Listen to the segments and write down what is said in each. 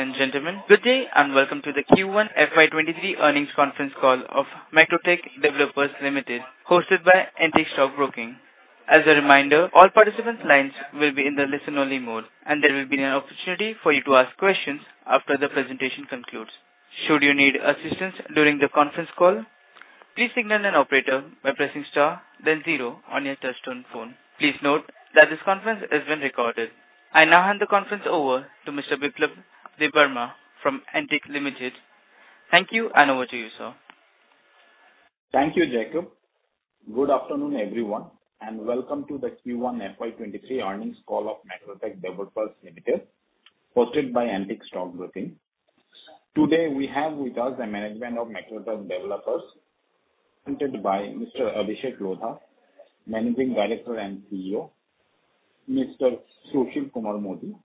Ladies and gentlemen, good day, and welcome to the Q1 FY 2023 earnings conference call of Macrotech Developers Limited, hosted by Antique Stock Broking. As a reminder, all participants' lines will be in the listen-only mode, and there will be an opportunity for you to ask questions after the presentation concludes. Should you need assistance during the conference call, please signal an operator by pressing star then zero on your touchtone phone. Please note that this conference is being recorded. I now hand the conference over to Mr. Biplab Debbarma from Antique Limited. Thank you, and over to you, sir. Thank you, Jacob. Good afternoon, everyone, and welcome to the Q1 FY 2023 earnings call of Macrotech Developers Limited, hosted by Antique Stock Broking. Today, we have with us the management of Macrotech Developers, presented by Mr. Abhishek Lodha, Managing Director and CEO, Mr. Sushil Kumar Modi,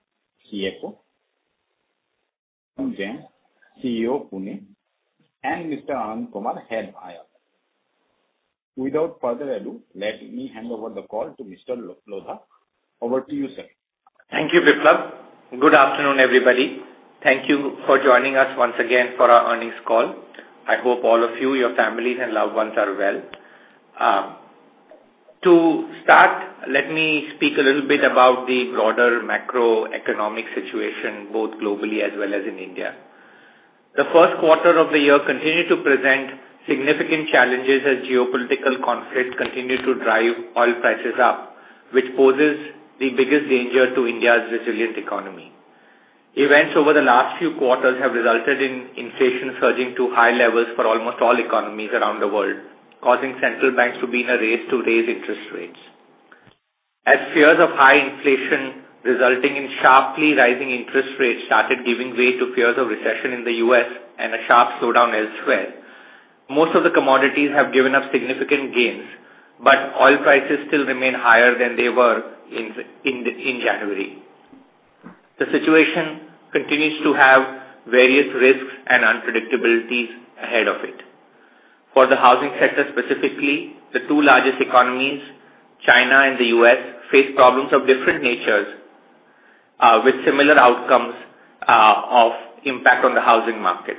CFO, Mr. Gautam Jain, CEO, Pune, and Mr. Anand Kumar, Head IR. Without further ado, let me hand over the call to Mr. Lodha. Over to you, sir. Thank you, Biplab. Good afternoon, everybody. Thank you for joining us once again for our earnings call. I hope all of you, your families and loved ones are well. To start, let me speak a little bit about the broader macroeconomic situation, both globally as well as in India. The first quarter of the year continued to present significant challenges as geopolitical conflicts continued to drive oil prices up, which poses the biggest danger to India's resilient economy. Events over the last few quarters have resulted in inflation surging to high levels for almost all economies around the world, causing central banks to be in a race to raise interest rates. As fears of high inflation resulting in sharply rising interest rates started giving way to fears of recession in the U.S. and a sharp slowdown elsewhere, most of the commodities have given up significant gains, but oil prices still remain higher than they were in January. The situation continues to have various risks and unpredictabilities ahead of it. For the housing sector specifically, the two largest economies, China and the U.S., face problems of different natures with similar outcomes of impact on the housing market.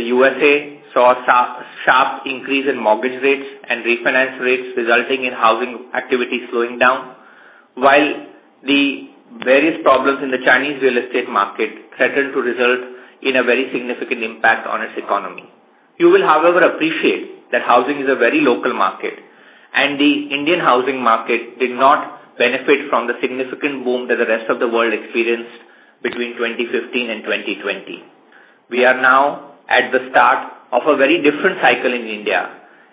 The USA saw a sharp increase in mortgage rates and refinance rates resulting in housing activity slowing down, while the various problems in the Chinese real estate market threaten to result in a very significant impact on its economy. You will, however, appreciate that housing is a very local market, and the Indian housing market did not benefit from the significant boom that the rest of the world experienced between 2015 and 2020. We are now at the start of a very different cycle in India,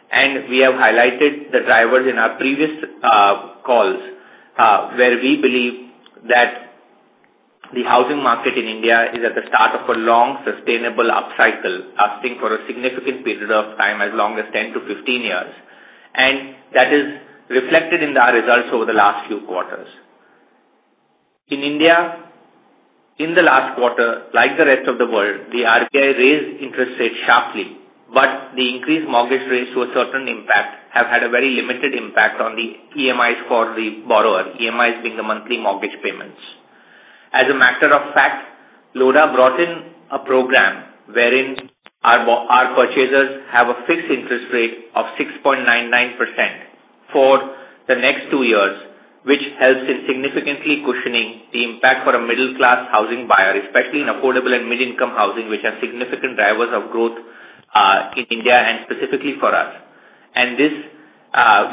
and we have highlighted the drivers in our previous calls, where we believe that the housing market in India is at the start of a long, sustainable upcycle, lasting for a significant period of time, as long as 10-15 years. That is reflected in our results over the last few quarters. In India, in the last quarter, like the rest of the world, the RBI raised interest rates sharply, but the increased mortgage rates, to a certain extent, have had a very limited impact on the EMIs for the borrower, EMIs being the monthly mortgage payments. As a matter of fact, Lodha brought in a program wherein our purchasers have a fixed interest rate of 6.99% for the next two years, which helps in significantly cushioning the impact for a middle-class housing buyer, especially in affordable and mid-income housing, which are significant drivers of growth in India and specifically for us. This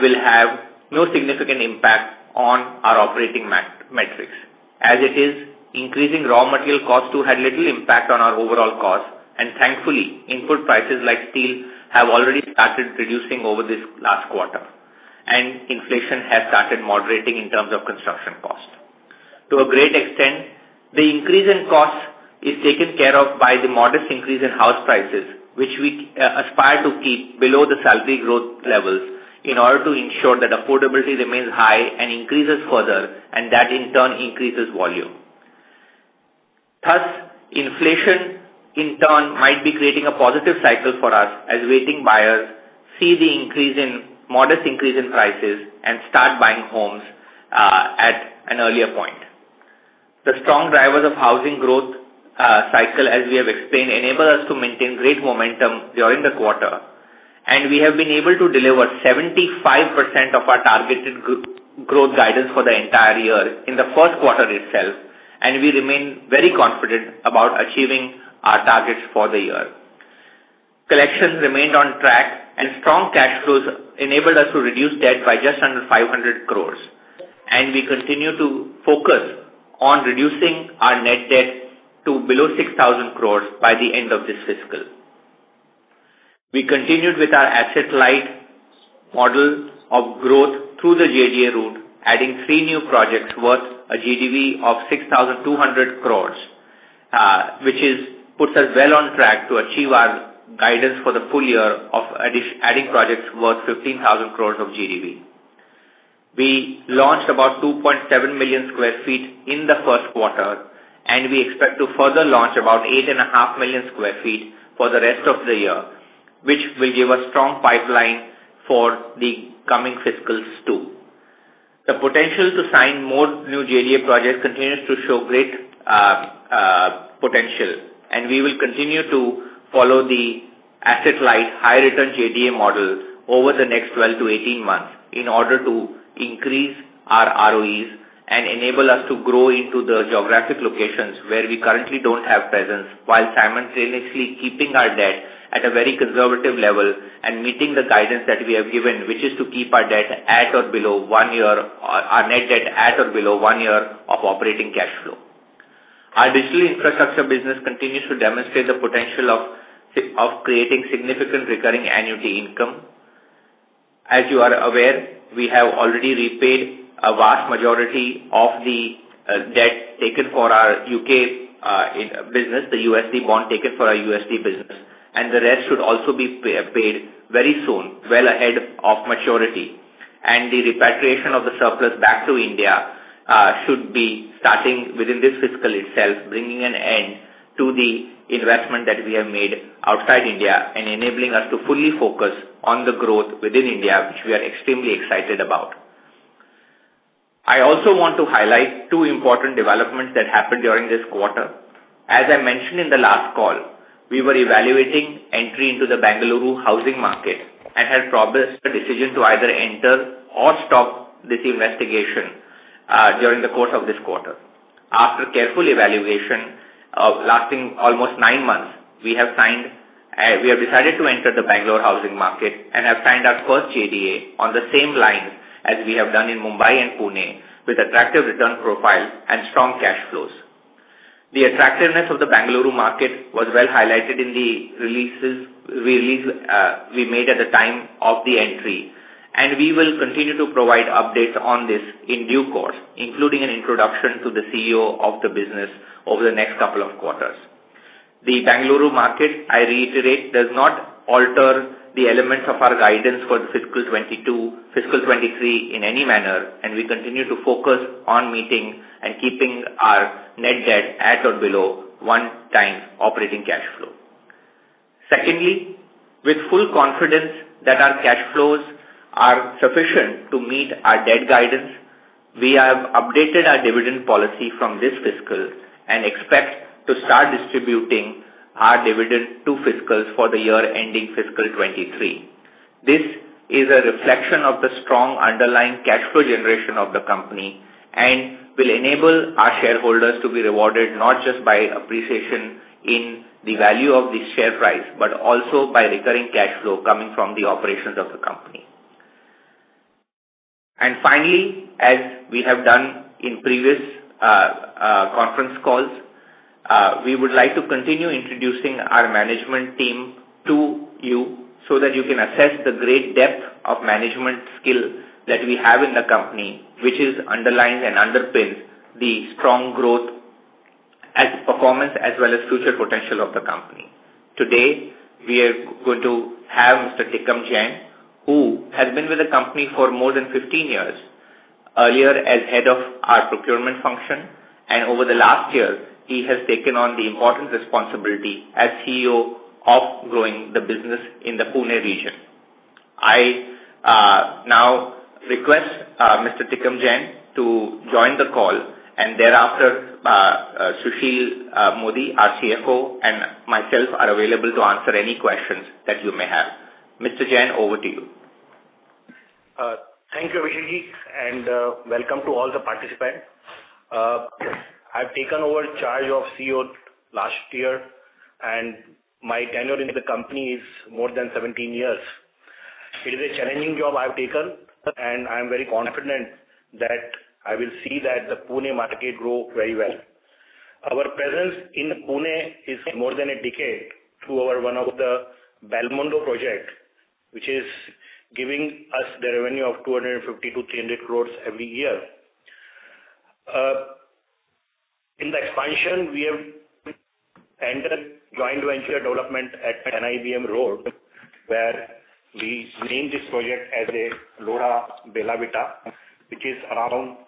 will have no significant impact on our operating metrics. As it is, increasing raw material costs too had little impact on our overall costs. Thankfully, input prices like steel have already started reducing over this last quarter, and inflation has started moderating in terms of construction cost. To a great extent, the increase in costs is taken care of by the modest increase in house prices, which we aspire to keep below the salary growth levels in order to ensure that affordability remains high and increases further, and that in turn increases volume. Thus, inflation in turn might be creating a positive cycle for us as waiting buyers see the modest increase in prices and start buying homes at an earlier point. The strong drivers of housing growth cycle, as we have explained, enable us to maintain great momentum during the quarter, and we have been able to deliver 75% of our targeted growth guidance for the entire year in the first quarter itself, and we remain very confident about achieving our targets for the year. Collections remained on track and strong cash flows enabled us to reduce debt by just under 500 crores, and we continue to focus on reducing our net debt to below 6,000 crores by the end of this fiscal. We continued with our asset-light model of growth through the JDA route, adding three new projects worth a GDV of 6,200 crores, which puts us well on track to achieve our guidance for the full year of adding projects worth 15,000 crores of GDV. We launched about 2.7 million sq ft in the first quarter, and we expect to further launch about 8.5 million sq ft for the rest of the year, which will give a strong pipeline for the coming fiscals too. The potential to sign more new JDA projects continues to show great potential, and we will continue to follow the asset-light high return JDA model over the next 12-18 months in order to increase our ROEs and enable us to grow into the geographic locations where we currently don't have presence while simultaneously keeping our debt at a very conservative level and meeting the guidance that we have given, which is to keep our net debt at or below one year of operating cash flow. Our digital infrastructure business continues to demonstrate the potential of creating significant recurring annuity income. As you are aware, we have already repaid a vast majority of the debt taken for our U.K. business, the USD bond taken for our USD business, and the rest should also be paid very soon, well ahead of maturity. The repatriation of the surplus back to India should be starting within this fiscal itself, bringing an end to the investment that we have made outside India and enabling us to fully focus on the growth within India, which we are extremely excited about. I also want to highlight two important developments that happened during this quarter. As I mentioned in the last call, we were evaluating entry into the Bengaluru housing market and had promised a decision to either enter or stop this investigation during the course of this quarter. After careful evaluation lasting almost nine months, we have decided to enter the Bengaluru housing market and have signed our first JDA on the same lines as we have done in Mumbai and Pune with attractive return profile and strong cash flows. The attractiveness of the Bengaluru market was well highlighted in the release we made at the time of the entry, and we will continue to provide updates on this in due course, including an introduction to the CEO of the business over the next couple of quarters. The Bengaluru market, I reiterate, does not alter the elements of our guidance for fiscal 2022, fiscal 2023 in any manner, and we continue to focus on meeting and keeping our net debt at or below 1x operating cash flow. Secondly, with full confidence that our cash flows are sufficient to meet our debt guidance, we have updated our dividend policy from this fiscal and expect to start distributing our dividend two fiscals for the year ending fiscal 2023. This is a reflection of the strong underlying cash flow generation of the company and will enable our shareholders to be rewarded not just by appreciation in the value of the share price, but also by recurring cash flow coming from the operations of the company. Finally, as we have done in previous conference calls, we would like to continue introducing our management team to you so that you can assess the great depth of management skill that we have in the company, which underlines and underpins the strong growth and performance as well as future potential of the company. Today, we are going to have Mr. Tikam Jain, who has been with the company for more than 15 years, earlier as head of our procurement function, and over the last years, he has taken on the important responsibility as CEO of growing the business in the Pune region. I now request Mr. Tikam Jain to join the call and thereafter, Sushil Modi, our CFO, and myself are available to answer any questions that you may have. Mr. Jain, over to you. Thank you, Abhishek, and welcome to all the participants. I've taken over charge of CEO last year, and my tenure in the company is more than 17 years. It is a challenging job I've taken, and I'm very confident that I will see that the Pune market grow very well. Our presence in Pune is more than a decade through our one of the Belmondo project, which is giving us the revenue of 250 crores-300 crores every year. In the expansion, we have entered joint venture development at NIBM Road, where we named this project as Lodha Bella Vita, which is around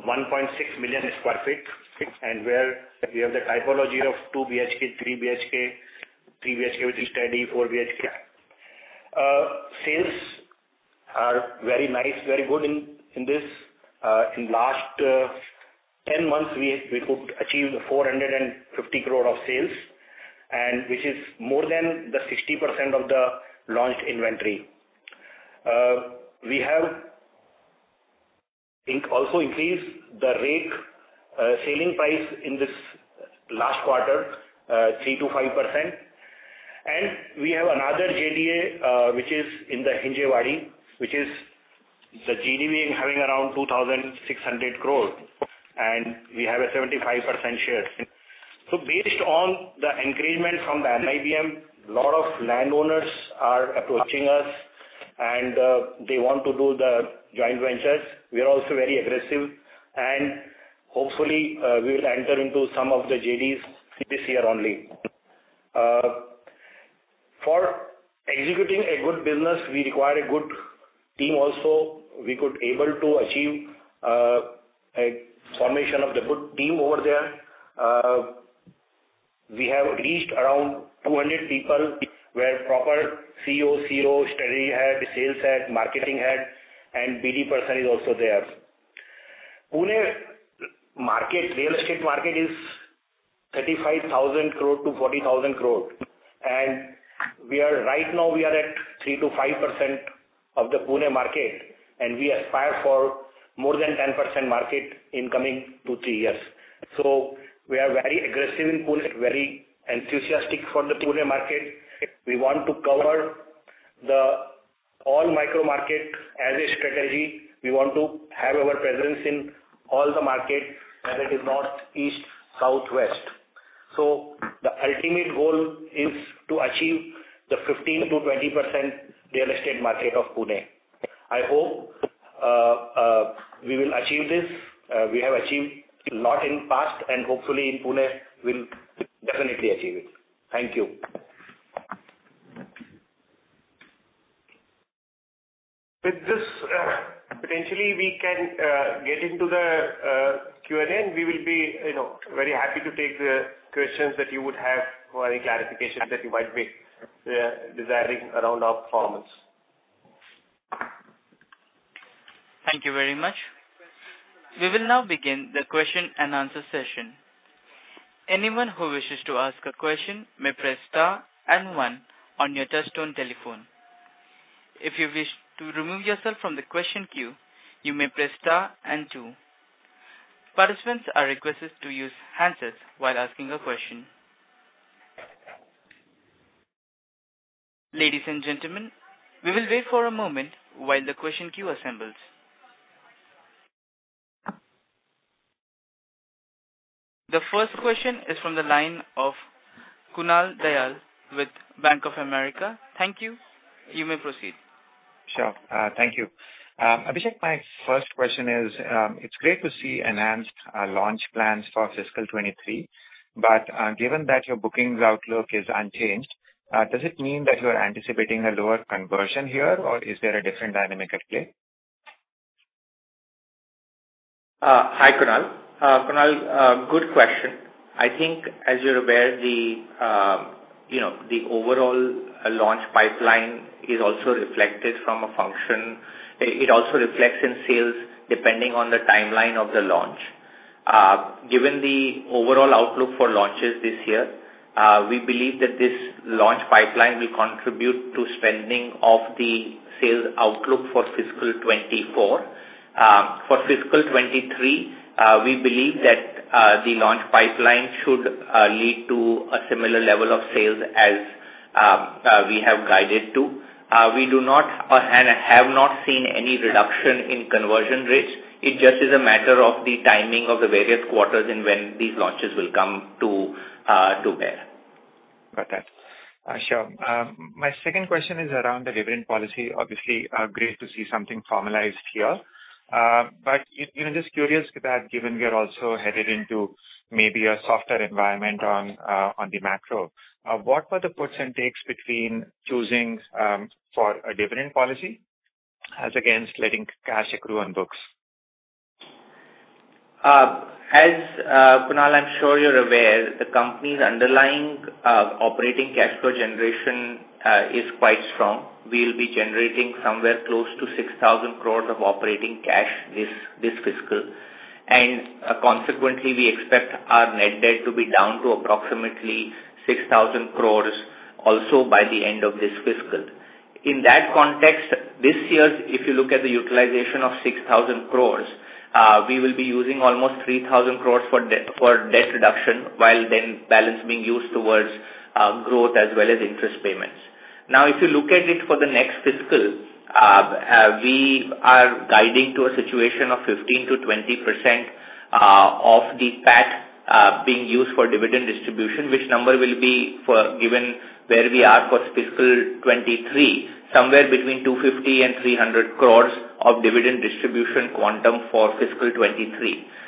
1.6 million sq ft and where we have the typology of two BHK, three BHK, three BHK with study, four BHK. Sales are very nice, very good in this. In the last 10 months, we could achieve 450 crore of sales, which is more than the 60% of the launched inventory. We have also increased the rate, selling price in this last quarter, 3%-5%. We have another JDA, which is in the Hinjewadi, which is the GDV having around 2,600 crores, and we have a 75% share. Based on the encouragement from the NIBM, a lot of landowners are approaching us, and they want to do the joint ventures. We are also very aggressive, and hopefully, we will enter into some of the JDs this year only. For executing a good business, we require a good team also. We could able to achieve a formation of the good team over there. We have reached around 200 people where proper CEO, COO, city head, sales head, marketing head, and BD person is also there. Pune market, real estate market is 35,000 crore-40,000 crore. Right now we are at 3%-5% of the Pune market, and we aspire for more than 10% market in coming two, three years. We are very aggressive in Pune, very enthusiastic for the Pune market. We want to cover the all micro market as a strategy. We want to have our presence in all the markets, whether it is north, east, south, west. The ultimate goal is to achieve the 15%-20% real estate market of Pune. I hope, we will achieve this. We have achieved a lot in past, and hopefully in Pune we'll definitely achieve it. Thank you. With this, potentially we can get into the Q&A. We will be, you know, very happy to take the questions that you would have or any clarifications that you might be desiring around our performance. Thank you very much. We will now begin the question-and-answer session. Anyone who wishes to ask a question may press star and one on your touchtone telephone. If you wish to remove yourself from the question queue, you may press star and two. Participants are requested to use handsets while asking a question. Ladies and gentlemen, we will wait for a moment while the question queue assembles. The first question is from the line of Kunal Tayal with Bank of America. Thank you. You may proceed. Sure. Thank you. Abhishek, my first question is, it's great to see enhanced launch plans for fiscal 2023, but given that your bookings outlook is unchanged, does it mean that you are anticipating a lower conversion here, or is there a different dynamic at play? Hi, Kunal. Good question. I think as you're aware, you know, the overall launch pipeline is also reflected in the funnel. It also reflects in sales depending on the timeline of the launch. Given the overall outlook for launches this year, we believe that this launch pipeline will contribute to achieving the sales outlook for fiscal 2024. For fiscal 2023, we believe that the launch pipeline should lead to a similar level of sales as we have guided to. We do not and have not seen any reduction in conversion rates. It just is a matter of the timing of the various quarters and when these launches will come to bear. Got that. My second question is around the dividend policy. Obviously, great to see something formalized here. You know, just curious that given we are also headed into maybe a softer environment on the macro, what were the puts and takes between choosing for a dividend policy as against letting cash accrue on books? Kunal, I'm sure you're aware, the company's underlying operating cash flow generation is quite strong. We'll be generating somewhere close to 6,000 crore of operating cash this fiscal. Consequently, we expect our net debt to be down to approximately 6,000 crore also by the end of this fiscal. In that context, this year, if you look at the utilization of 6,000 crore, we will be using almost 3,000 crore for debt reduction, while the balance being used towards growth as well as interest payments. Now, if you look at it for the next fiscal, we are guiding to a situation of 15%-20% of the PAT being used for dividend distribution, which number will be given where we are for fiscal 2023, somewhere between 250-300 crores of dividend distribution quantum for fiscal 2023.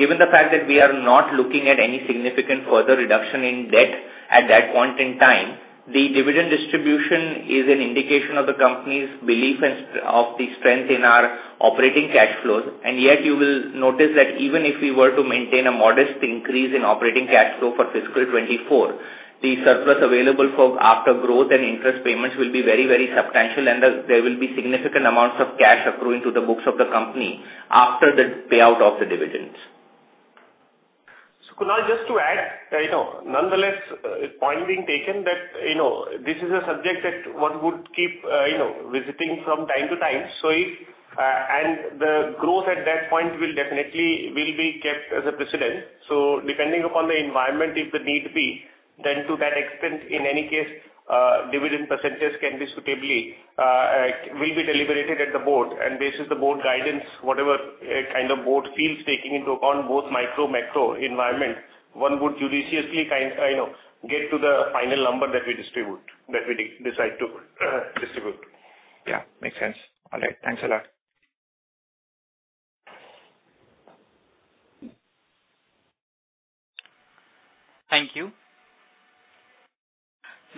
Given the fact that we are not looking at any significant further reduction in debt at that point in time, the dividend distribution is an indication of the company's belief and of the strength in our operating cash flows. Yet you will notice that even if we were to maintain a modest increase in operating cash flow for fiscal 2024, the surplus available after growth and interest payments will be very, very substantial, and there will be significant amounts of cash accruing to the books of the company after the payout of the dividends. Kunal, just to add, you know, nonetheless, point being taken that, you know, this is a subject that one would keep, you know, visiting from time to time. The growth at that point will definitely be kept as a precedent. Depending upon the environment, if the need be, then to that extent, in any case, dividend percentages can be suitably will be deliberated at the board. Based on the board guidance, whatever kind of board feels taking into account both micro, macro environment, one would judiciously kind, you know, get to the final number that we distribute, that we decide to distribute. Yeah, makes sense. All right. Thanks a lot. Thank you.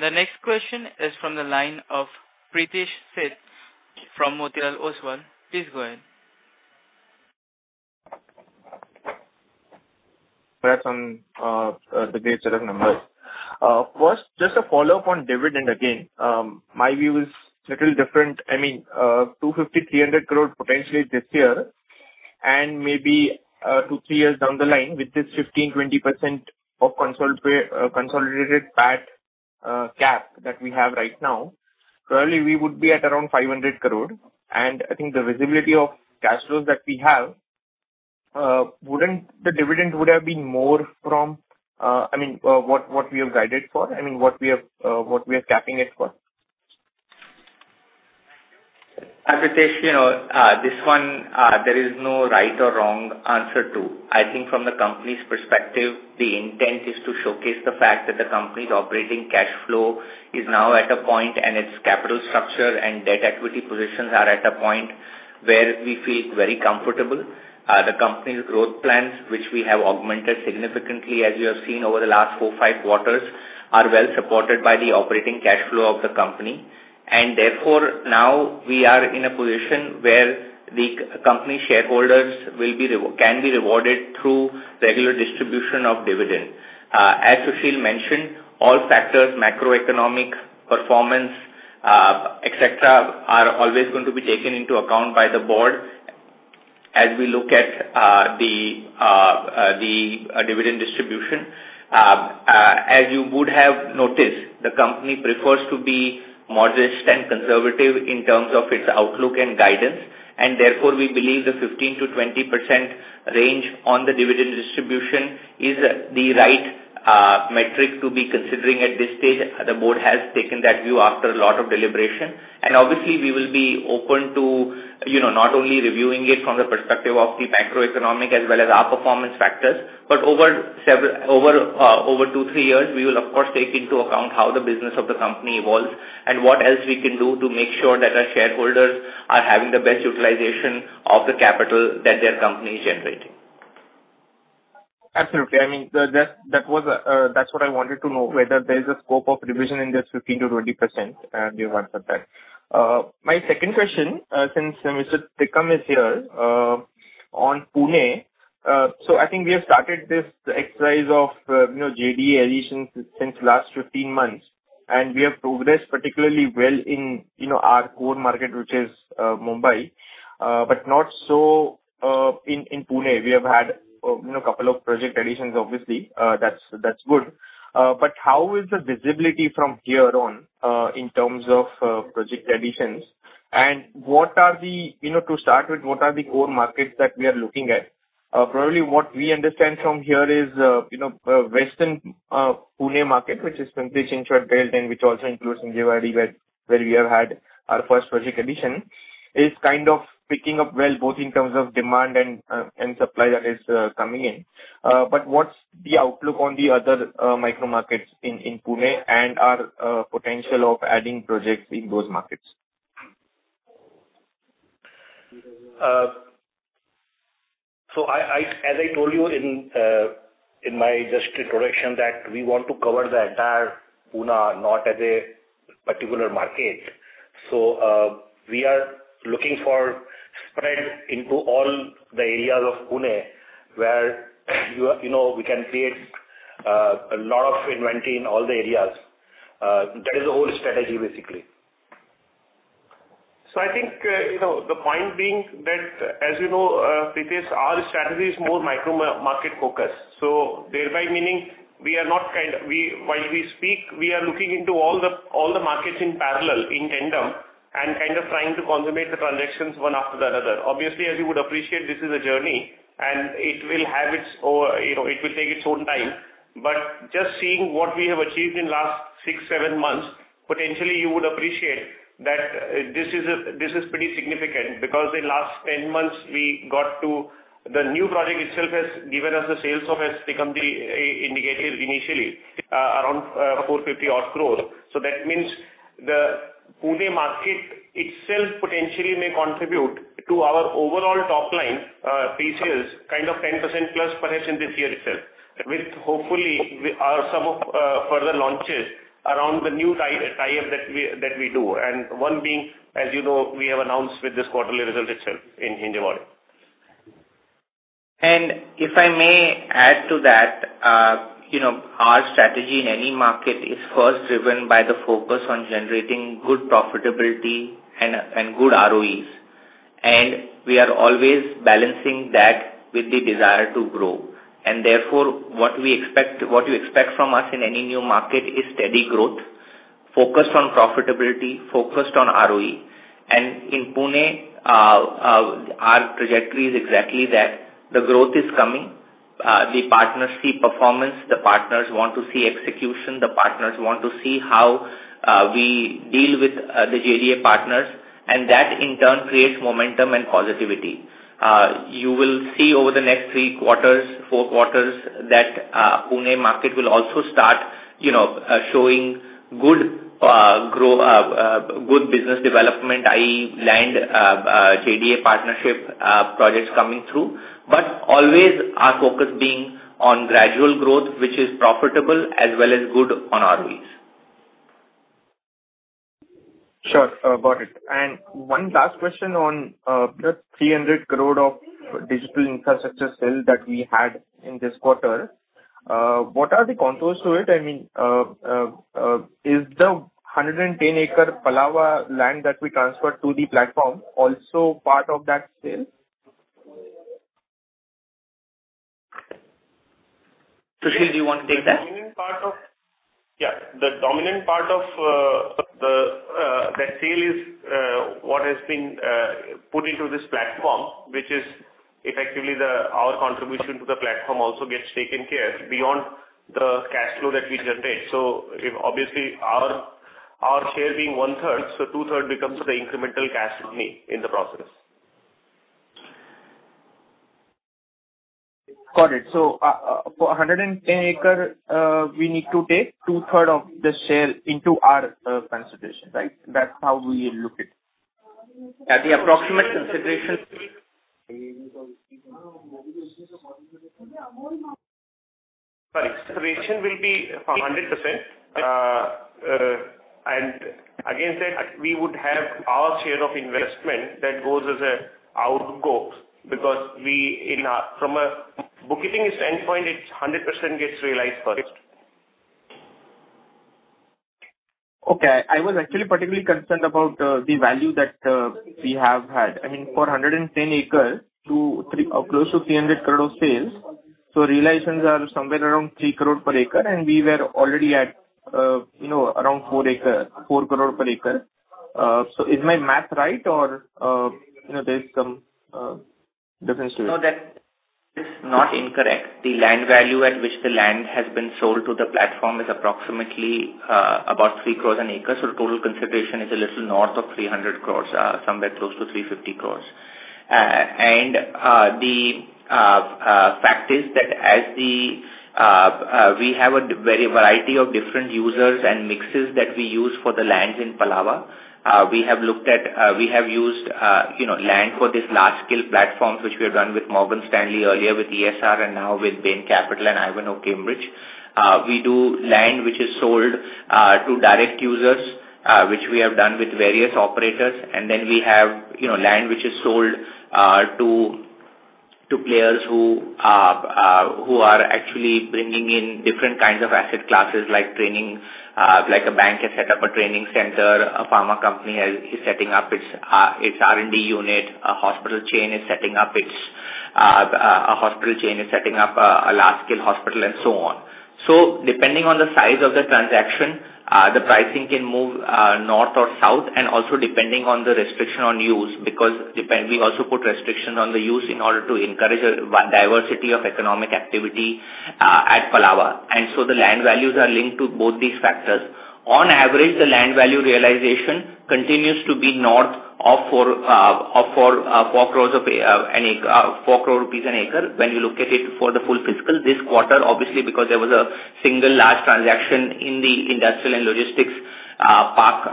The next question is from the line of Pritesh Sheth from Motilal Oswal. Please go ahead. Based on the base set of numbers. First, just a follow-up on dividend again. My view is little different. I mean, 250 crore-300 crore potentially this year and maybe two to three years down the line, which is 15%-20% of consolidated PAT cap that we have right now. Currently, we would be at around 500 crore. I think the visibility of cash flows that we have, wouldn't the dividend have been more from. I mean, what we have guided for, I mean, what we are capping it for. As you said, you know, this one, there is no right or wrong answer to. I think from the company's perspective, the intent is to showcase the fact that the company's operating cash flow is now at a point, and its capital structure and debt equity positions are at a point where we feel very comfortable. The company's growth plans, which we have augmented significantly as you have seen over the last four, five quarters, are well-supported by the operating cash flow of the company. Therefore, now we are in a position where the company shareholders can be rewarded through regular distribution of dividend. As Sushil mentioned, all factors, macroeconomic performance, etc, are always going to be taken into account by the board as we look at the dividend distribution. As you would have noticed, the company prefers to be modest and conservative in terms of its outlook and guidance, and therefore, we believe the 15%-20% range on the dividend distribution is the right metric to be considering at this stage. The board has taken that view after a lot of deliberation. Obviously, we will be open to, you know, not only reviewing it from the perspective of the macroeconomic as well as our performance factors, but over two to three years, we will of course take into account how the business of the company evolves and what else we can do to make sure that our shareholders are having the best utilization of the capital that their company is generating. Absolutely. I mean, that's what I wanted to know, whether there is a scope of revision in this 15%-20%, and you've answered that. My second question, since Mr. Tikam is here, on Pune. I think we have started this exercise of, you know, JDA additions since last 15 months, and we have progressed particularly well in, you know, our core market, which is Mumbai, but not so in Pune. We have had, you know, couple of project additions obviously. That's good. But how is the visibility from here on, in terms of project additions? And you know, to start with, what are the core markets that we are looking at? Probably what we understand from here is, you know, western Pune market, which is the Chinchwad belt, and which also includes Hinjewadi, where we have had our first project addition, is kind of picking up well, both in terms of demand and supply that is coming in. What's the outlook on the other micro markets in Pune and potential of adding projects in those markets? As I told you in my just introduction that we want to cover the entire Pune, not as a particular market. We are looking for spread into all the areas of Pune where you know we can create a lot of inventory in all the areas. That is the whole strategy, basically. I think, you know, the point being that, as you know, Pritesh, our strategy is more micro-market focused. Thereby meaning we are not kind of. While we speak, we are looking into all the markets in parallel, in tandem, and kind of trying to consummate the transactions one after the other. Obviously, as you would appreciate, this is a journey, and it will have its own. You know, it will take its own time. But just seeing what we have achieved in last six, seven months, potentially you would appreciate that, this is pretty significant because in last 10 months, we got to the new project itself has given us sales of has become the indicator initially, around 450-odd crores. That means the Pune market itself potentially may contribute to our overall top line this year is kind of 10%+ in this year itself. With hopefully some of further launches around the new tie-up that we do. One being, as you know, we have announced with this quarterly result itself in Hinjewadi. If I may add to that, you know, our strategy in any market is first driven by the focus on generating good profitability and good ROEs. We are always balancing that with the desire to grow. Therefore, what you expect from us in any new market is steady growth, focused on profitability, focused on ROE. In Pune, our trajectory is exactly that. The growth is coming. The partners see performance. The partners want to see execution. The partners want to see how we deal with the JDA partners, and that in turn creates momentum and positivity. You will see over the next three quarters, four quarters that Pune market will also start, you know, showing good business development, i.e. land, JDA partnership projects coming through. Always our focus being on gradual growth, which is profitable as well as good on ROEs. Sure about it. One last question on the 300 crore of digital infrastructure sale that we had in this quarter. What are the contours to it? I mean, is the 110-acre Palava land that we transferred to the platform also part of that sale? Sushil, do you want to take that? The dominant part of the sale is what has been put into this platform, which is effectively our contribution to the platform also gets taken care beyond the cash flow that we generate. Obviously, our share being 1/3, so 2/3 becomes the incremental cash to me in the process. Got it. For 110 acres, we need to take 2/3 of the sale into our consideration, right? That's how we look at it. At the approximate consideration. Sorry. Consideration will be 100%. Against that, we would have our share of investment that goes as an outgo because from a bookkeeping standpoint, it's 100% gets realized first. Okay. I was actually particularly concerned about the value that we have had. I mean, from 110 acres to close to 300 crore sales. So realizations are somewhere around 3 crore per acre, and we were already at, you know, a round 4 crore per acre. So is my math right or, you know, there's some difference to it? No, that is not incorrect. The land value at which the land has been sold to the platform is approximately about 3 crore an acre. So total consideration is a little north of 300 crore, somewhere close to 350 crore. The fact is that as we have a wide variety of different users and mixes that we use for the lands in Palava, we have used, you know, land for these large-scale platforms, which we have done with Morgan Stanley earlier with ESR and now with Bain Capital and Ivanhoé Cambridge. We do land which is sold to direct users, which we have done with various operators. We have, you know, land which is sold to players who are actually bringing in different kinds of asset classes like training. Like a bank has set up a training center. A pharma company is setting up its R&D unit. A hospital chain is setting up a large-scale hospital and so on. Depending on the size of the transaction, the pricing can move north or south, and also depending on the restriction on use because we also put restriction on the use in order to encourage a diversity of economic activity at Palava. The land values are linked to both these factors. On average, the land value realization continues to be north of 4 crore an acre, 4 crore rupees an acre when you look at it for the full fiscal. This quarter, obviously, because there was a single large transaction in the industrial and logistics park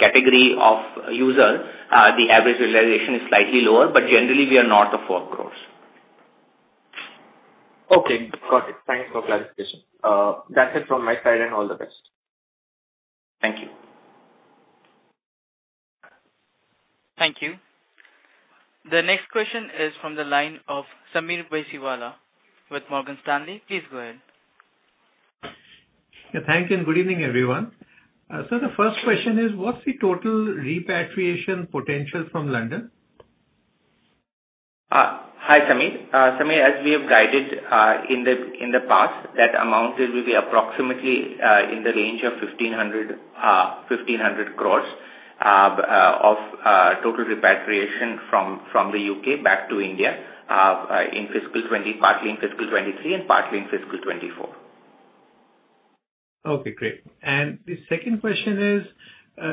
category of use, the average realization is slightly lower, but generally we are north of 4 crore. Okay, got it. Thanks for clarification. That's it from my side and all the best. Thank you. Thank you. The next question is from the line of Sameer Baisiwala with Morgan Stanley. Please go ahead. Yeah, thank you and good evening, everyone. The first question is, what's the total repatriation potential from London? Hi, Sameer. Sameer, as we have guided, in the past, that amount will be approximately, in the range of 1,500 crores, of total repatriation from the U.K. back to India, in fiscal 2020, partly in fiscal 2023 and partly in fiscal 2024. Okay, great. The second question is,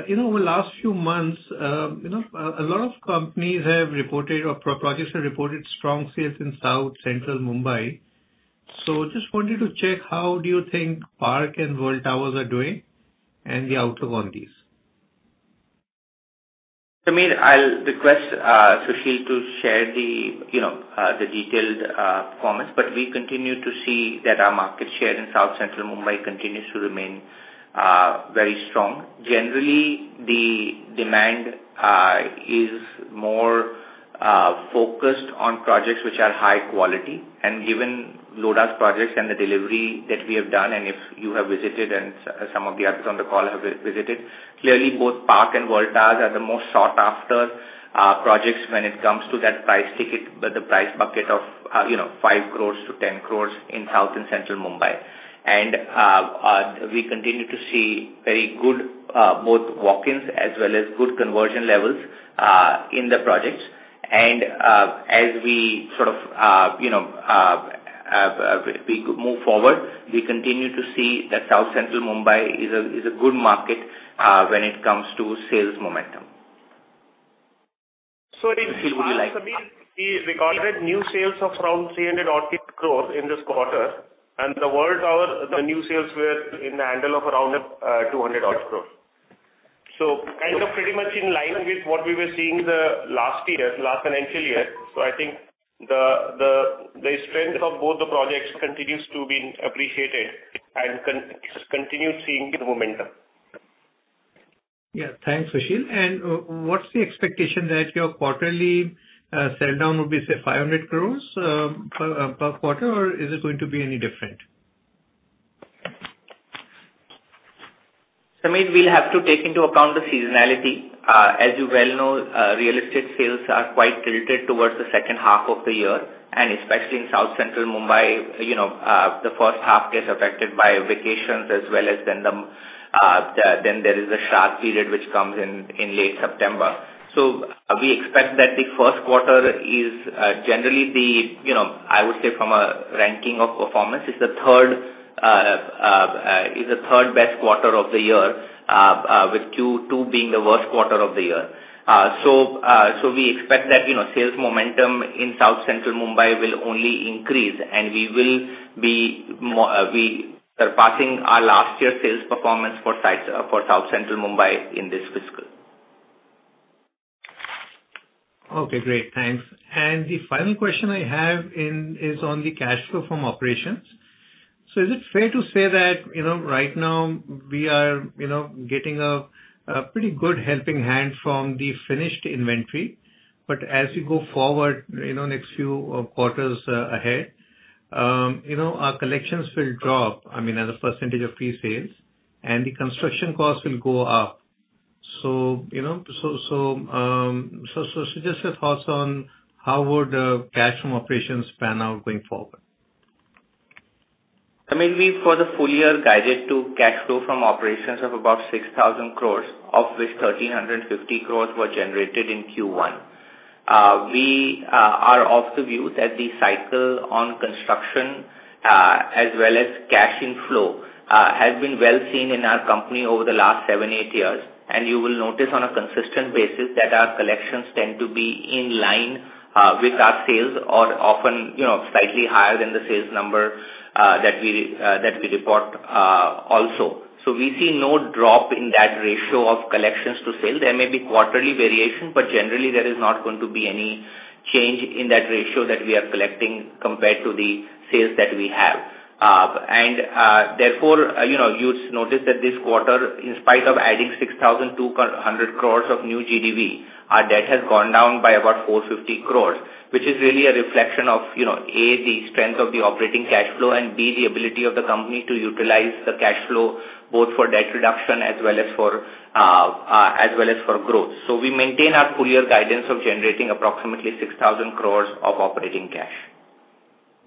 you know, over the last few months, you know, a lot of companies have reported or projects have reported strong sales in South Central Mumbai. Just wanted to check how do you think Park and World Towers are doing and the outlook on these? Sameer, I'll request Sushil to share the, you know, the detailed performance, but we continue to see that our market share in South Central Mumbai continues to remain very strong. Generally, the demand is more focused on projects which are high quality and given Lodha's projects and the delivery that we have done, and if you have visited and some of the others on the call have visited, clearly both Park and World Towers are the most sought after projects when it comes to that price ticket. The price bucket of, you know, 5 crores-10 crores in South and Central Mumbai. We continue to see very good both walk-ins as well as good conversion levels in the projects. As we sort of, you know, we move forward, we continue to see that South Central Mumbai is a good market when it comes to sales momentum. Sameer, we recorded new sales of around 300-odd crore in this quarter, and the World Towers, the new sales were in the handle of around 200-odd crore. Kind of pretty much in line with what we were seeing the last year, last financial year. I think the strength of both the projects continues to be appreciated and continues seeing the momentum. Yeah. Thanks, Vishal. What's the expectation that your quarterly sell down would be, say, 500 crore per quarter, or is it going to be any different? Sameer, we'll have to take into account the seasonality. As you well know, real estate sales are quite tilted towards the second half of the year, and especially in South Central Mumbai, you know, the first half gets affected by vacations as well as then there is a sharp period which comes in in late September. We expect that the first quarter is generally, you know, I would say from a ranking of performance, it's the third best quarter of the year, with Q2 being the worst quarter of the year. We expect that, you know, sales momentum in South Central Mumbai will only increase, and we surpassing our last year sales performance for sites for South Central Mumbai in this fiscal. Okay, great. Thanks. The final question I have is on the cash flow from operations. Is it fair to say that, you know, right now we are, you know, getting a pretty good helping hand from the finished inventory, but as you go forward, you know, next few quarters ahead, you know, our collections will drop, I mean, as a percentage of pre-sales, and the construction costs will go up. You know, so just your thoughts on how would cash from operations pan out going forward? I mean, we for the full year guided to cash flow from operations of about 6,000 crores, of which 1,350 crores were generated in Q1. We are of the view that the cycle on construction as well as cash inflow has been well seen in our company over the last seven to eight years. You will notice on a consistent basis that our collections tend to be in line with our sales or often, you know, slightly higher than the sales number that we report also. We see no drop in that ratio of collections to sales. There may be quarterly variation, but generally there is not going to be any change in that ratio that we are collecting compared to the sales that we have. Therefore, you know, you notice that this quarter, in spite of adding 6,200 crores of new GDV, our debt has gone down by about 450 crores, which is really a reflection of, you know, A, the strength of the operating cash flow, and B, the ability of the company to utilize the cash flow both for debt reduction as well as for growth. We maintain our full year guidance of generating approximately 6,000 crores of operating cash.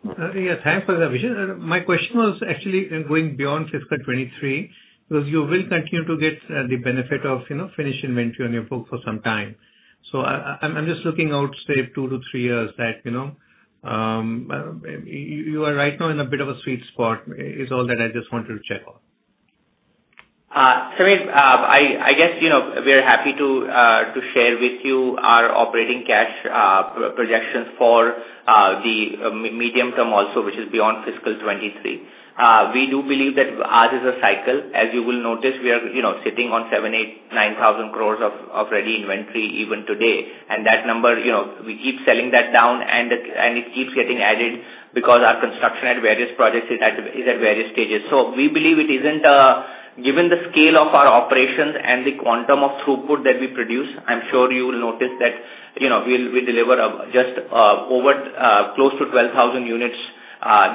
Yeah. Thanks for that, Vishal. My question was actually going beyond fiscal 2023, because you will continue to get the benefit of, you know, finished inventory on your book for some time. I'm just looking out, say two to three years that, you know, you are right now in a bit of a sweet spot is all that I just wanted to check on. Sameer, I guess, you know, we are happy to share with you our operating cash projections for the medium term also, which is beyond fiscal 2023. We do believe that ours is a cycle. As you will notice, we are, you know, sitting on 7,000 crore-9,000 crores of ready inventory even today. That number, you know, we keep selling that down and it keeps getting added because our construction at various projects is at various stages. We believe it isn't given the scale of our operations and the quantum of throughput that we produce. I'm sure you will notice that, you know, we'll deliver just over close to 12,000 units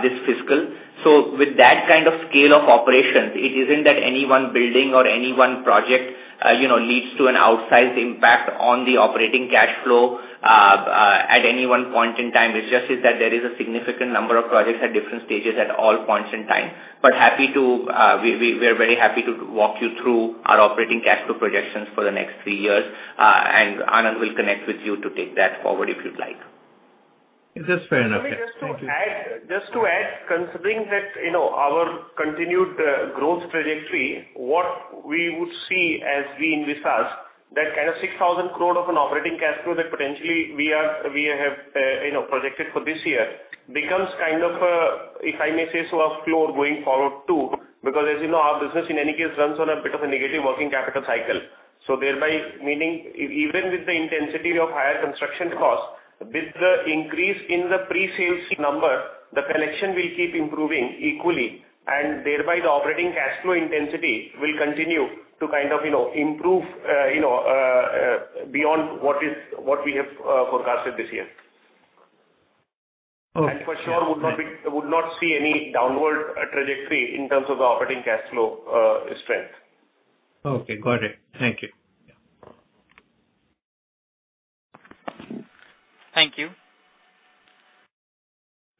this fiscal. With that kind of scale of operations, it isn't that any one building or any one project leads to an outsized impact on the operating cash flow at any one point in time. It just is that there is a significant number of projects at different stages at all points in time. We're very happy to walk you through our operating cash flow projections for the next three years. Anand will connect with you to take that forward, if you'd like. That's fair enough. Yeah. Just to add, considering that, you know, our continued growth trajectory, what we would see as we envisage that kind of 6,000 crore of an operating cash flow that potentially we have projected for this year becomes kind of, if I may say so, a floor going forward too. Because as you know, our business in any case runs on a bit of a negative working capital cycle. Thereby meaning even with the intensity of higher construction costs, with the increase in the pre-sales number, the collection will keep improving equally, and thereby the operating cash flow intensity will continue to kind of, you know, improve beyond what we have forecasted this year. Okay. For sure would not see any downward trajectory in terms of the operating cash flow strength. Okay. Got it. Thank you. Yeah. Thank you.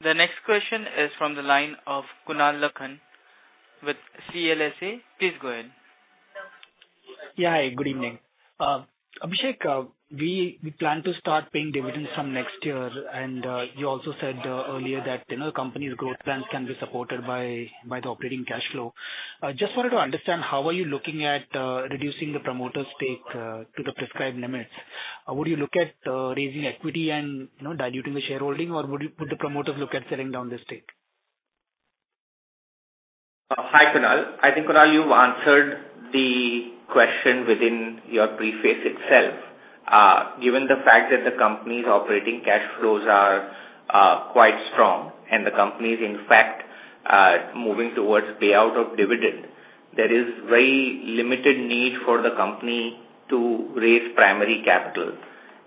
The next question is from the line of Kunal Lakhan with CLSA. Please go ahead. Yeah. Hi, good evening. Abhishek, we plan to start paying dividends from next year. You also said earlier that, you know, company's growth plans can be supported by the operating cash flow. I just wanted to understand how are you looking at reducing the promoter stake to the prescribed limits? Would you look at raising equity and, you know, diluting the shareholding? Or would the promoters look at selling down the stake? Hi, Kunal. I think, Kunal, you've answered the question within your preface itself. Given the fact that the company's operating cash flows are quite strong and the company is, in fact, moving towards payout of dividend, there is very limited need for the company to raise primary capital.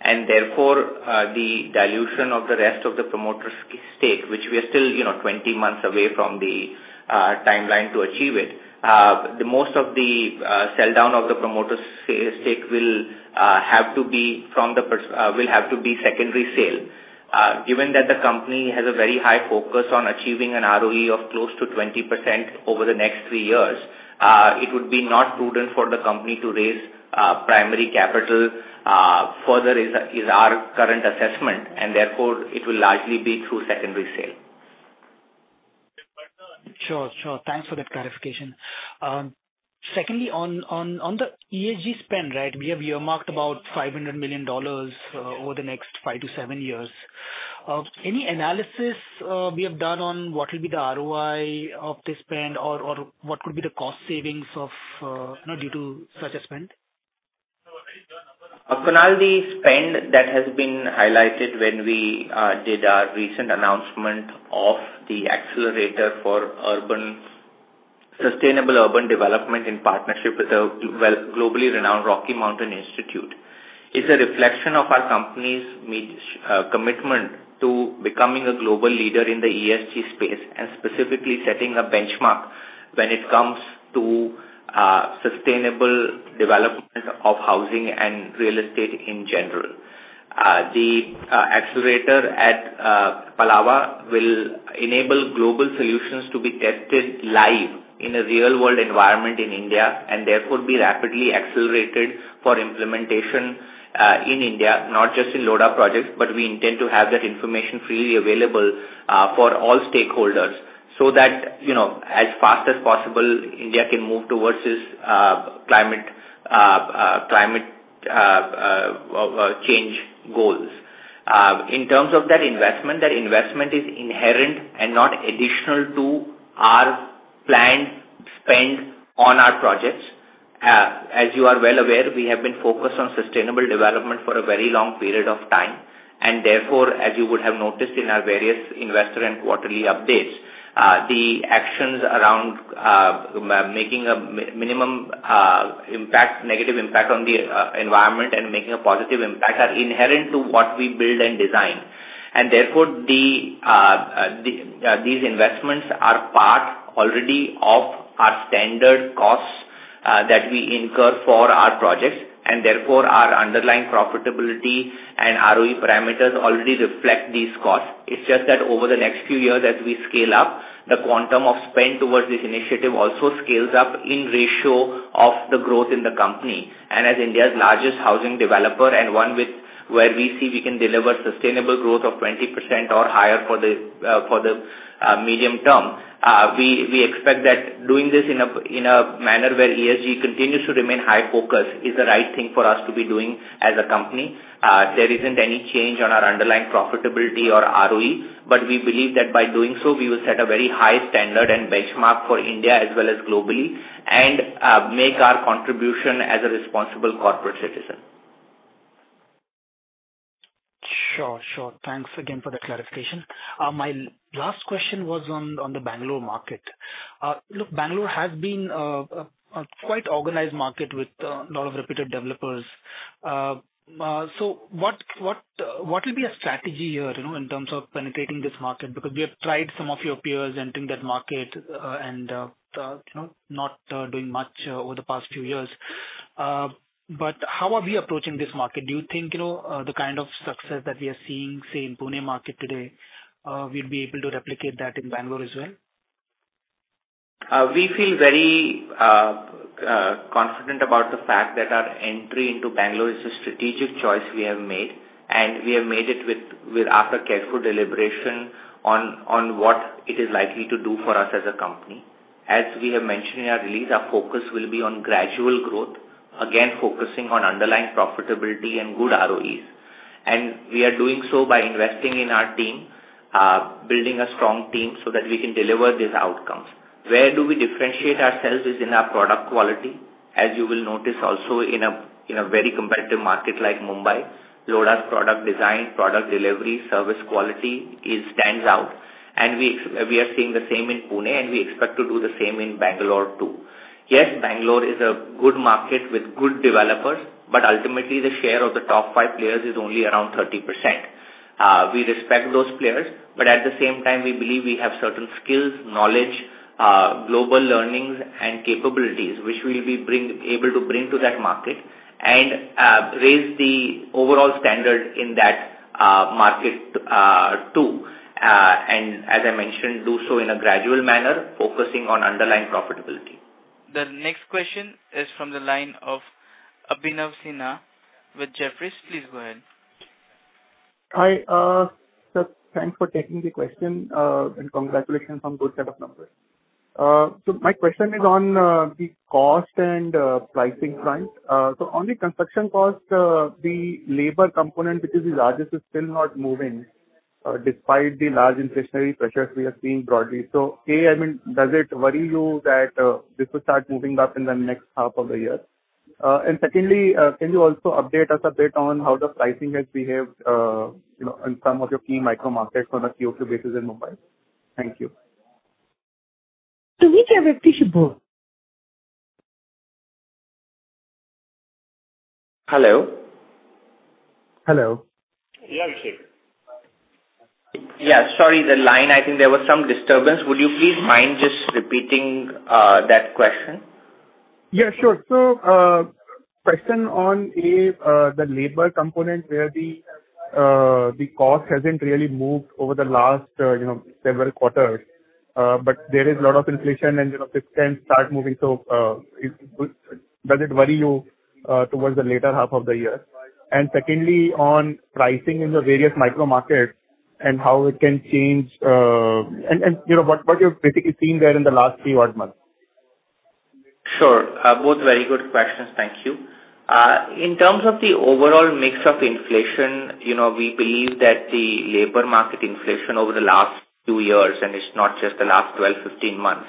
Therefore, the dilution of the rest of the promoter stake, which we are still, you know, 20 months away from the timeline to achieve it. Most of the sell-down of the promoter stake will have to be secondary sale. Given that the company has a very high focus on achieving an ROE of close to 20% over the next three years, it would not be prudent for the company to raise primary capital further. This is our current assessment, and therefore it will largely be through secondary sale. Sure. Thanks for that clarification. Secondly, on the ESG spend, right, we have earmarked about $500 million over the next five to seven years. Any analysis we have done on what will be the ROI of this spend or what could be the cost savings due to such a spend? Kunal, the spend that has been highlighted when we did our recent announcement of the accelerator for sustainable urban development in partnership with globally renowned Rocky Mountain Institute is a reflection of our company's commitment to becoming a global leader in the ESG space, and specifically setting a benchmark when it comes to sustainable development of housing and real estate in general. The accelerator at Palava will enable global solutions to be tested live in a real-world environment in India, and therefore be rapidly accelerated for implementation in India, not just in Lodha projects, but we intend to have that information freely available for all stakeholders so that, you know, as fast as possible, India can move towards this climate change goals. In terms of that investment, that investment is inherent and not additional to our planned spend on our projects. As you are well aware, we have been focused on sustainable development for a very long period of time. Therefore, as you would have noticed in our various investor and quarterly updates, the actions around making a minimum negative impact on the environment and making a positive impact are inherent to what we build and design. Therefore, these investments are already part of our standard costs that we incur for our projects, and therefore our underlying profitability and ROE parameters already reflect these costs. It's just that over the next few years, as we scale up, the quantum of spend towards this initiative also scales up in ratio of the growth in the company. As India's largest housing developer and one where we see we can deliver sustainable growth of 20% or higher for the medium term, we expect that doing this in a manner where ESG continues to remain high focus is the right thing for us to be doing as a company. There isn't any change on our underlying profitability or ROE, but we believe that by doing so, we will set a very high standard and benchmark for India as well as globally and make our contribution as a responsible corporate citizen. Sure. Thanks again for the clarification. My last question was on the Bangalore market. Look, Bangalore has been a quite organized market with a lot of reputed developers. So what will be a strategy here, you know, in terms of penetrating this market? Because we have tried some of your peers entering that market, and you know, not doing much over the past few years. How are we approaching this market? Do you think, you know, the kind of success that we are seeing, say, in Pune market today, we'll be able to replicate that in Bangalore as well? We feel very confident about the fact that our entry into Bangalore is a strategic choice we have made, and we have made it with after careful deliberation on what it is likely to do for us as a company. As we have mentioned in our release, our focus will be on gradual growth, again, focusing on underlying profitability and good ROEs. We are doing so by investing in our team, building a strong team so that we can deliver these outcomes. Where do we differentiate ourselves is in our product quality. As you will notice also in a very competitive market like Mumbai, Lodha's product design, product delivery, service quality, it stands out. We are seeing the same in Pune, and we expect to do the same in Bangalore too. Yes, Bangalore is a good market with good developers, but ultimately the share of the top five players is only around 30%. We respect those players, but at the same time we believe we have certain skills, knowledge, global learnings and capabilities which we'll be able to bring to that market and raise the overall standard in that market, too. As I mentioned, do so in a gradual manner, focusing on underlying profitability. The next question is from the line of Abhinav Sinha with Jefferies. Please go ahead. Hi, sir. Thanks for taking the question, and congratulations on those set of numbers. My question is on the cost and pricing front. On the construction cost, the labor component, which is the largest, is still not moving despite the large inflationary pressures we are seeing broadly. I mean, does it worry you that this will start moving up in the next half of the year? Secondly, can you also update us a bit on how the pricing has behaved, you know, in some of your key micro markets on a Q-over-Q basis in Mumbai? Thank you. We can repeat your board. Hello? Hello. Yeah. Yeah, sorry, the line. I think there was some disturbance. Would you please mind just repeating that question? Yeah, sure. Question on if the labor component where the cost hasn't really moved over the last, you know, several quarters, but there is a lot of inflation and, you know, this can start moving. Does it worry you towards the later half of the year? Secondly, on pricing in the various micro markets and how it can change, and you know, what you've basically seen there in the last three odd months. Sure. Both very good questions. Thank you. In terms of the overall mix of inflation, you know, we believe that the labor market inflation over the last two years, and it's not just the last 12, 15 months,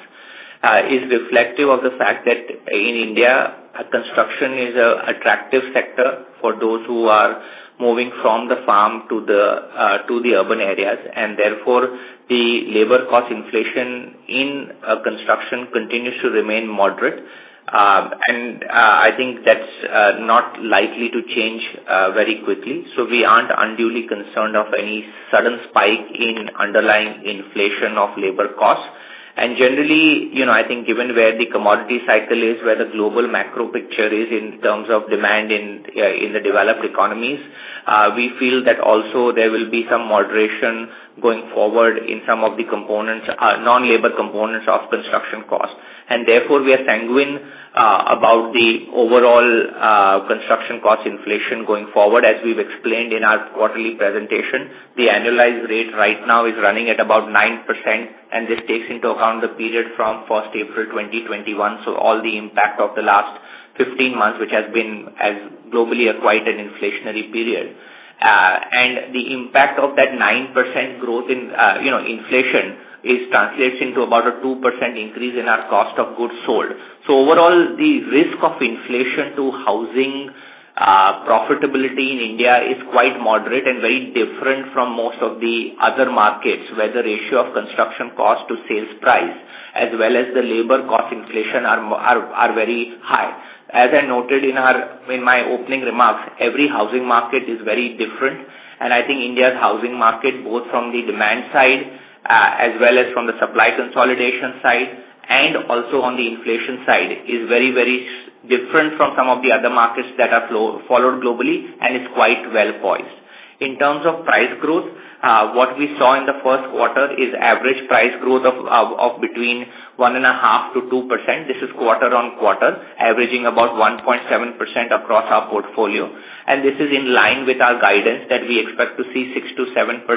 is reflective of the fact that in India, construction is an attractive sector for those who are moving from the farm to the urban areas. Therefore, the labor cost inflation in construction continues to remain moderate. I think that's not likely to change very quickly. We aren't unduly concerned of any sudden spike in underlying inflation of labor costs. Generally, you know, I think given where the commodity cycle is, where the global macro picture is in terms of demand in the developed economies, we feel that also there will be some moderation going forward in some of the components, non-labor components of construction costs. Therefore, we are sanguine about the overall construction cost inflation going forward. As we've explained in our quarterly presentation, the annualized rate right now is running at about 9%, and this takes into account the period from 1st April, 2021. All the impact of the last 15 months, which has been as globally quite an inflationary period. And the impact of that 9% growth in, you know, inflation is translates into about a 2% increase in our cost of goods sold. Overall, the risk of inflation to housing profitability in India is quite moderate and very different from most of the other markets, where the ratio of construction cost to sales price, as well as the labor cost inflation are very high. As I noted in my opening remarks, every housing market is very different, and I think India's housing market, both from the demand side, as well as from the supply consolidation side, and also on the inflation side, is very different from some of the other markets that are followed globally, and it's quite well poised. In terms of price growth, what we saw in the first quarter is average price growth of between 1.5%-2%. This is quarter-on-quarter, averaging about 1.7% across our portfolio. This is in line with our guidance that we expect to see 6%-7%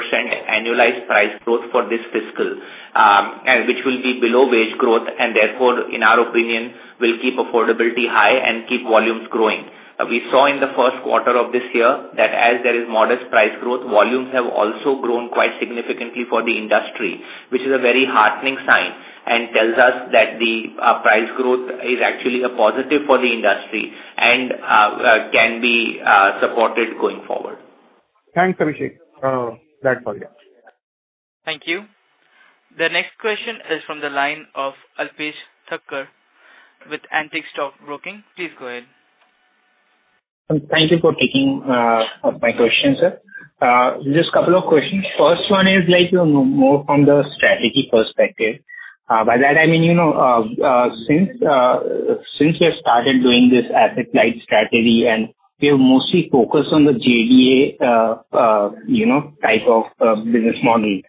annualized price growth for this fiscal, and which will be below wage growth, and therefore, in our opinion, will keep affordability high and keep volumes growing. We saw in the first quarter of this year that as there is modest price growth, volumes have also grown quite significantly for the industry, which is a very heartening sign, and tells us that the price growth is actually a positive for the industry and can be supported going forward. Thanks, Abhishek. Glad for you. Thank you. The next question is from the line of Alpesh Thakkar with Antique Stock Broking. Please go ahead. Thank you for taking my question, sir. Just couple of questions. First one is like, you know, more from the strategy perspective. By that I mean, you know, since you started doing this asset-light strategy and you're mostly focused on the JDA, you know, type of business model.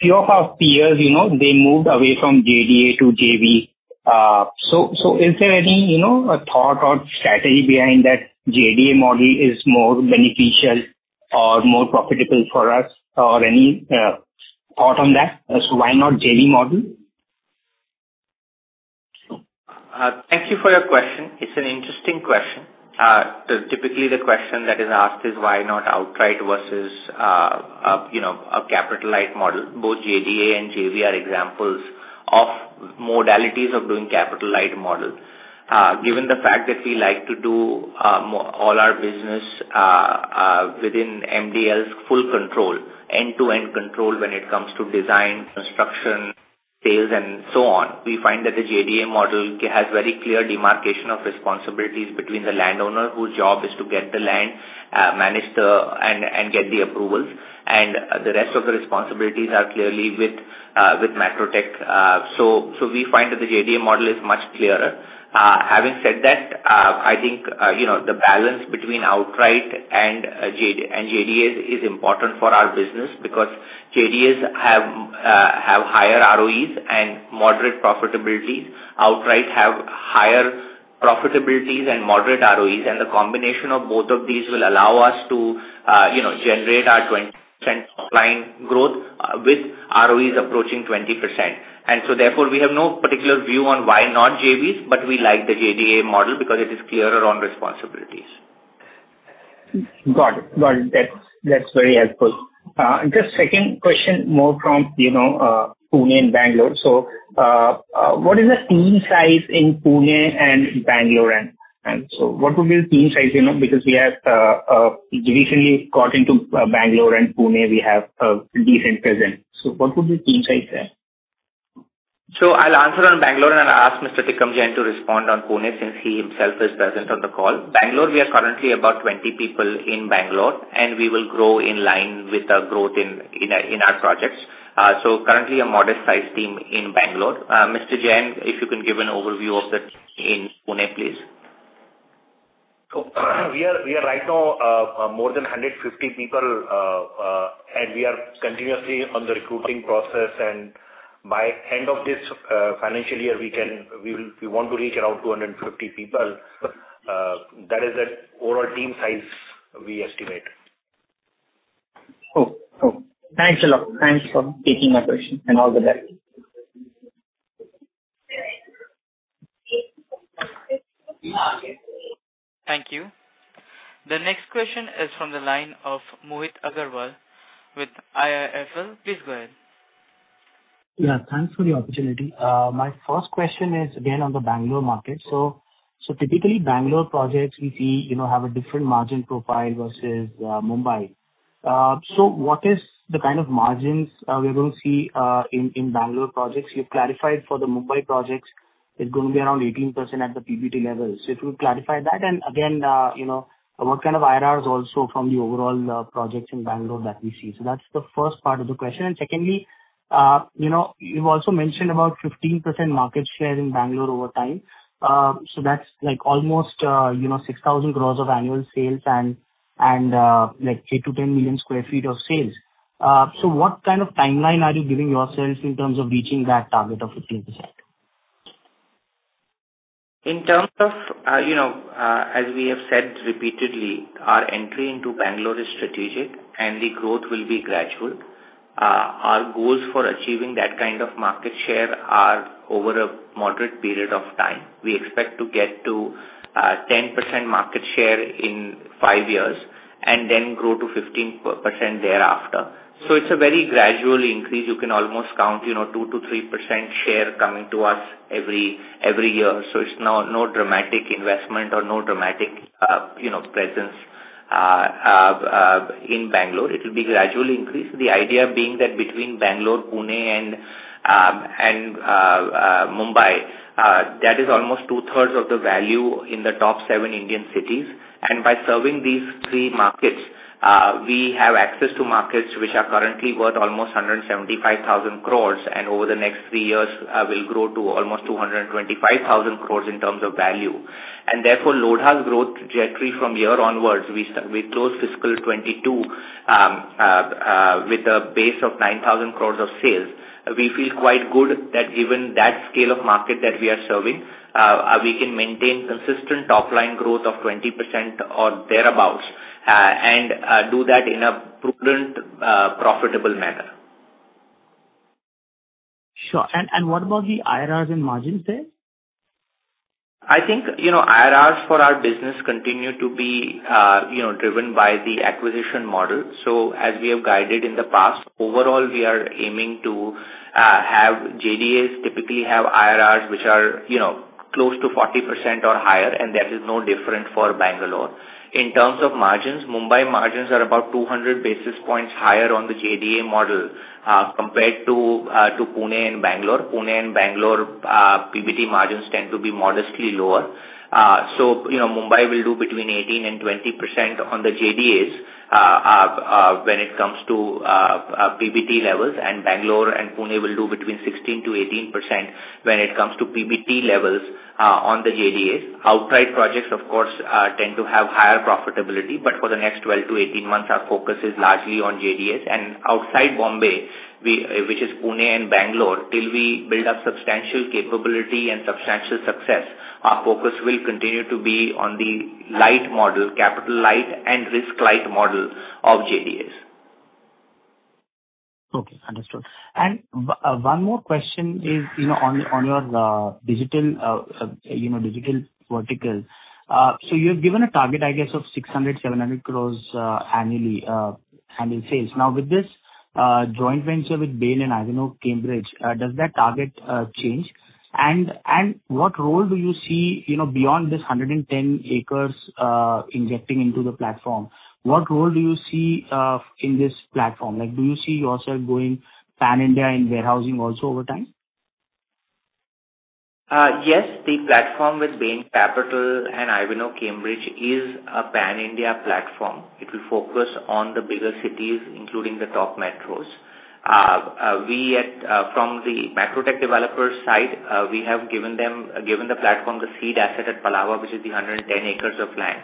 Few of our peers, you know, they moved away from JDA to JV. So, is there any, you know, a thought or strategy behind that JDA model is more beneficial or more profitable for us, or any thought on that? And why not JV model? Thank you for your question. It's an interesting question. Typically the question that is asked is why not outright versus, you know, a capital light model. Both JDA and JV are examples of modalities of doing capital light model. Given the fact that we like to do all our business within MDL's full control, end-to-end control when it comes to design, construction, sales, and so on, we find that the JDA model has very clear demarcation of responsibilities between the landowner, whose job is to get the land and get the approvals, and the rest of the responsibilities are clearly with Macrotech. We find that the JDA model is much clearer. Having said that, I think, you know, the balance between outright and JDA, and JDAs is important for our business because JDAs have higher ROEs and moderate profitability. Outright have higher profitabilities and moderate ROEs. The combination of both of these will allow us to, you know, generate our 20% top line growth with ROEs approaching 20%. Therefore, we have no particular view on why not JVs, but we like the JDA model because it is clearer on responsibilities. Got it. Got it. That's very helpful. Just second question more from, you know, Pune and Bangalore. What is the team size in Pune and Bangalore? And what would be the team size, you know, because we have recently got into Bangalore and Pune. We have a decent presence. What would be team size there? I'll answer on Bangalore, and I'll ask Mr. Tikam Jain to respond on Pune since he himself is present on the call. Bangalore, we are currently about 20 people in Bangalore, and we will grow in line with our growth in our projects. Currently a modest size team in Bangalore. Mr. Jain, if you can give an overview of the team in Pune, please. We are right now more than 150 people, and we are continuously on the recruiting process. By end of this financial year, we want to reach around 250 people. That is the overall team size we estimate. Cool, cool. Thanks a lot. Thanks for taking my question and all the best. Thank you. The next question is from the line of Mohit Agrawal with IIFL. Please go ahead. Yeah, thanks for the opportunity. My first question is again on the Bangalore market. Typically Bangalore projects we see, you know, have a different margin profile versus Mumbai. What is the kind of margins we will see in Bangalore projects? You've clarified for the Mumbai projects it's going to be around 18% at the PBT level. If you clarify that, and again, you know, what kind of IRRs also from the overall projects in Bangalore that we see. That's the first part of the question. Secondly, you know, you've also mentioned about 15% market share in Bangalore over time. That's like almost, you know, 6,000 crores of annual sales and like 8 million-10 million sq ft of sales. What kind of timeline are you giving yourselves in terms of reaching that target of 15%? In terms of, you know, as we have said repeatedly, our entry into Bangalore is strategic, and the growth will be gradual. Our goals for achieving that kind of market share are over a moderate period of time. We expect to get to 10% market share in five years, and then grow to 15% thereafter. It's a very gradual increase. You can almost count, you know, 2%-3% share coming to us every year. So it's no dramatic investment or no dramatic, you know, presence in Bangalore. It will be gradually increased. The idea being that between Bangalore, Pune and Mumbai, that is almost 2/3 of the value in the top seven Indian cities. By serving these three markets, we have access to markets which are currently worth almost 175,000 crore, and over the next three years, will grow to almost 225,000 crore in terms of value. Therefore, Lodha's growth trajectory from here onwards, we close fiscal 2022 with a base of 9,000 crore of sales. We feel quite good that given that scale of market that we are serving, we can maintain consistent top line growth of 20% or thereabout, and do that in a prudent, profitable manner. Sure. What about the IRRs and margins there? I think, you know, IRRs for our business continue to be driven by the acquisition model. As we have guided in the past, overall, we are aiming to have JDAs typically have IRRs, which are, you know, close to 40% or higher, and that is no different for Bangalore. In terms of margins, Mumbai margins are about 200 basis points higher on the JDA model, compared to Pune and Bangalore. Pune and Bangalore, PBT margins tend to be modestly lower. You know, Mumbai will do between 18% and 20% on the JDAs, when it comes to PBT levels, and Bangalore and Pune will do between 16%-18% when it comes to PBT levels, on the JDAs. Outright projects of course tend to have higher profitability. For the next 12-18 months our focus is largely on JDAs. Outside Bombay, we, which is Pune and Bangalore, till we build up substantial capability and substantial success, our focus will continue to be on the light model, capital light and risk light model of JDAs. Okay, understood. One more question is, you know, on your digital vertical. So you have given a target, I guess of 600-700 crores annually, annual sales. Now, with this joint venture with Bain Capital and Ivanhoé Cambridge, does that target change? What role do you see, you know, beyond this 110 acres, injecting into the platform? What role do you see in this platform? Like, do you see yourself going pan-India in warehousing also over time? Yes, the platform with Bain Capital and Ivanhoé Cambridge is a pan-India platform. It will focus on the bigger cities, including the top metros. We from the Macrotech Developers side have given the platform the seed asset at Palava, which is 110 acres of land.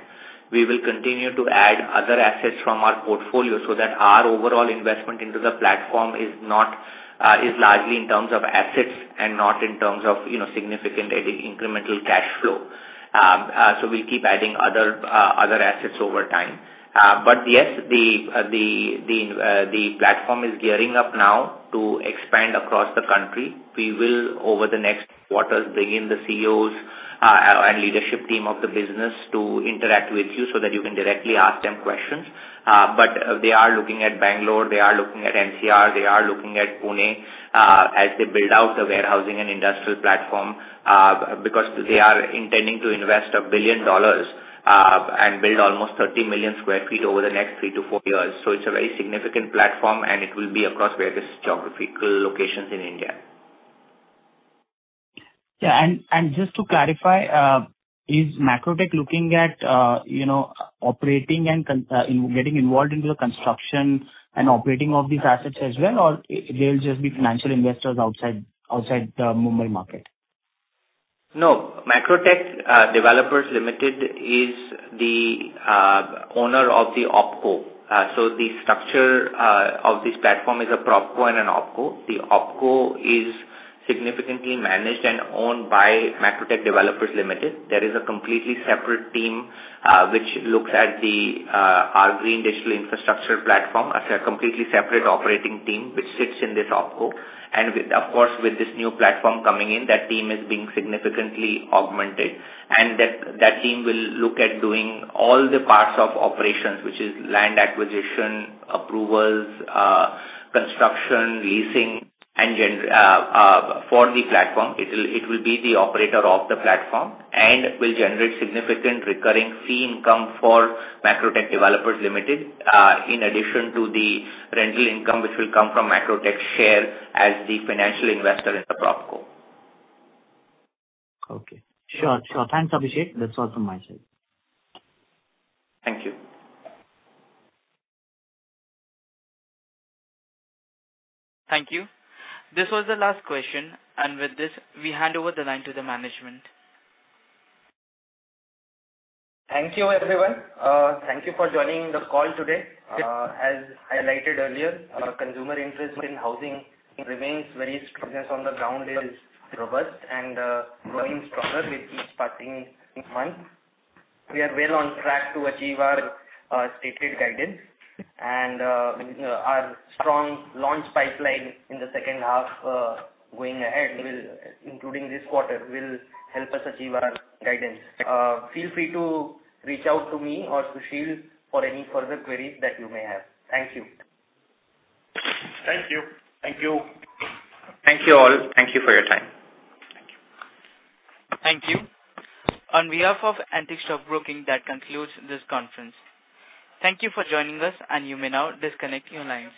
We will continue to add other assets from our portfolio so that our overall investment into the platform is largely in terms of assets and not in terms of, you know, significant incremental cash flow. We'll keep adding other assets over time. Yes, the platform is gearing up now to expand across the country. We will over the next quarters, bring in the CEOs, and leadership team of the business to interact with you so that you can directly ask them questions. They are looking at Bangalore, they are looking at NCR, they are looking at Pune, as they build out the warehousing and industrial platform, because they are intending to invest $1 billion, and build almost 30 million sq ft over the next three to four years. It's a very significant platform, and it will be across various geographical locations in India. Yeah. Just to clarify, is Macrotech looking at, you know, operating and getting involved into the construction and operating of these assets as well, or they'll just be financial investors outside the Mumbai market? No. Macrotech Developers Limited is the owner of the OpCo. The structure of this platform is a PropCo and an OpCo. The OpCo is significantly managed and owned by Macrotech Developers Limited. There is a completely separate team which looks at our green digital infrastructure platform as a completely separate operating team, which sits in this OpCo. With, of course, this new platform coming in, that team is being significantly augmented. That team will look at doing all the parts of operations, which is land acquisition, approvals, construction, leasing, and for the platform. It will be the operator of the platform and will generate significant recurring fee income for Macrotech Developers Limited in addition to the rental income which will come from Macrotech's share as the financial investor in the PropCo. Okay. Sure. Sure. Thanks, Abhishek. That's all from my side. Thank you. Thank you. This was the last question. With this, we hand over the line to the management. Thank you, everyone. Thank you for joining the call today. As highlighted earlier, consumer interest in housing remains very strong. Business on the ground is robust and growing stronger with each passing month. We are well on track to achieve our stated guidance and our strong launch pipeline in the second half, going ahead will, including this quarter, will help us achieve our guidance. Feel free to reach out to me or Sushil for any further queries that you may have. Thank you. Thank you. Thank you. Thank you all. Thank you for your time. Thank you. Thank you. On behalf of Antique Stock Broking, that concludes this conference. Thank you for joining us, and you may now disconnect your lines.